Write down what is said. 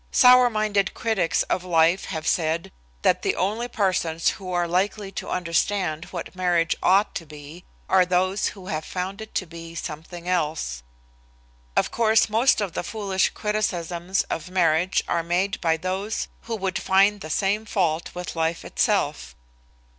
Sour minded critics of life have said that the only persons who are likely to understand what marriage ought to be are those who have found it to be something else. Of course most of the foolish criticisms of marriage are made by those who would find the same fault with life itself.